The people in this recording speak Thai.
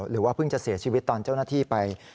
หรือว่าเพิ่งจะเสียชีวิตตอนเจ้าหน้าที่ไป